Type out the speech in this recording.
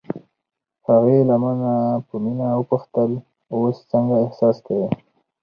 هغې له مانه په مینه وپوښتل: اوس څنګه احساس کوې؟